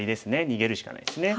逃げるしかないですね。